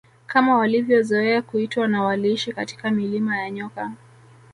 Kama walivyozoea kuitwa na waliishi katika milima ya nyoka